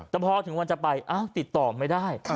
แต่พอถึงวันจะไปติดต่อไม่ได้